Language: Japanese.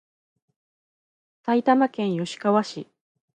埼玉県吉川市